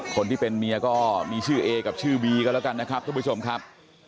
คนที่เป็นเมียก็มีชื่อเอกับชื่อบีก็แล้วกันนะครับทุกผู้ชมครับ